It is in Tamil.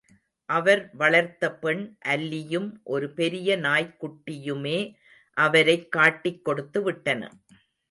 அவர் வளர்த்த பெண் அல்லியும் ஒரு பெரிய நாய்க்குட்டியுமே அவரைக் காட்டிக் கொடுத்து விட்டன.